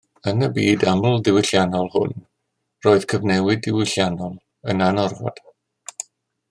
Yn y byd amlddiwylliannol hwn roedd cyfnewid diwylliannol yn anorfod